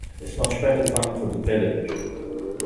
It's much better fun for the village.